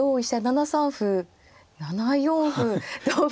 ７三歩７四歩同歩。